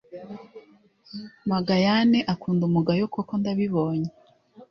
magayane akunda umugayo koko ndabibonye